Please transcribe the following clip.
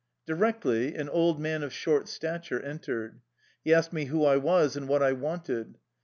Directly an old man of short stature entered. He asked me who I was and what I wanted.